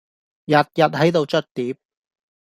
日日喺度捽碟